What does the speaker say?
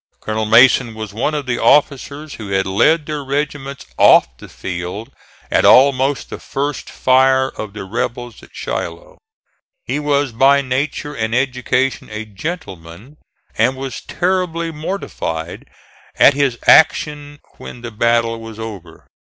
Colonel Mason was one of the officers who had led their regiments off the field at almost the first fire of the rebels at Shiloh. He was by nature and education a gentleman, and was terribly mortified at his action when the battle was over.